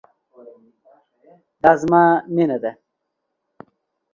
دا زما مينه ده